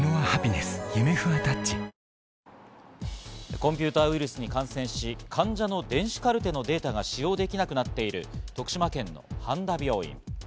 コンピューターウイルスに感染し患者の電子カルテのデータが使用できなくなっている徳島県の半田病院。